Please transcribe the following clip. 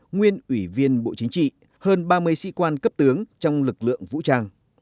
nguyên ủy viên bộ chính trị hơn ba mươi sĩ quan cấp tướng trong lực lượng vũ trang